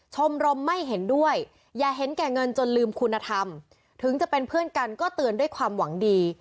ชมรมไม่เห็นด้วยอย่าเห็นแก่เงินจนลืมคุณธรรมถึงจะเป็นเพื่อนกันก็เตือนด้วยความหวังดี